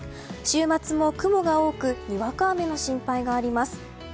週末も雲が多くにわか雨の心配があります。